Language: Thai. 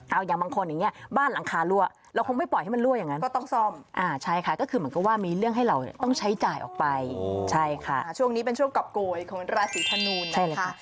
เอาอย่างบางคนอย่างนี้บ้านหลังคารั่วเราคงไม่ปล่อยให้มันรั่วอย่างนั้นก็ต้องซ่อมใช่ค่ะก็คือเหมือนกับว่ามีเรื่องให้เราต้องใช้จ่ายออกไปใช่ค่ะช่วงนี้เป็นช่วงกลับโกยของราศีธนูนะคะ